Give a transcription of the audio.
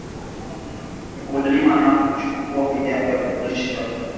mkulima anapochakata viazilishe Kuondoa sumu katika viazi